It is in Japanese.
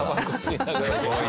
すごいね。